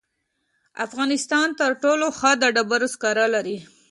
افغانستان تر ټولو ښه د ډبرو سکاره لري.